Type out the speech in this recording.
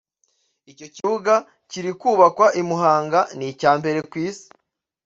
Icyo kibuga kiri kubakwa i Muhanga ni icya mbere ku Isi